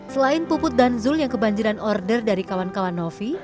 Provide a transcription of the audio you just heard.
selain puput dan zul yang kebanjiran order dari kawan kawan novi